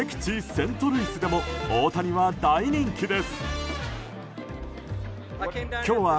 セントルイスでも大谷は大人気です。